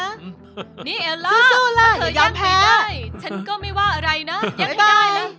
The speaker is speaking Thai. นี่แอลล่ะถ้าเธอยังไม่ได้ฉันก็ไม่ว่าอะไรนะยังให้ได้ละ